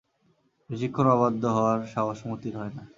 বেশিক্ষণ অবাধ্য হওয়ার সাহস মতির হয় না।